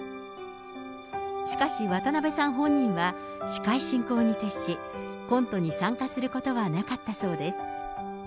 しかし、渡辺さん本人は、司会進行に徹し、コントに参加することはなかったそうです。